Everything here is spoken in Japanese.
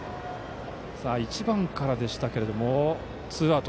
１番からでしたがツーアウト。